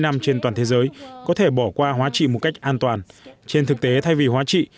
năm trên toàn thế giới có thể bỏ qua hóa trị một cách an toàn trên thực tế thay vì hóa trị